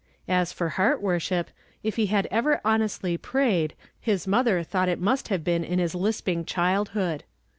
As for hoart woi ship, if he had ever honestly prayed, his mother thought it must have been m his lisping childhood.